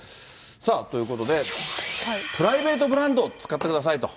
さあ、ということで、プライベートブランドを使ってくださいと。